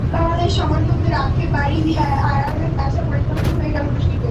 বাংলাদেশ সমর্থকদের আক্ষেপ বাড়িয়ে দিয়ে আয়ারল্যান্ড ম্যাচটা পরিত্যক্ত হয়ে গেল বৃষ্টিতে।